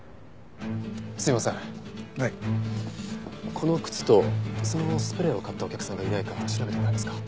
この靴とそのスプレーを買ったお客さんがいないか調べてもらえますか？